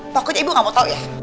pokoknya ibu ga mau tau ya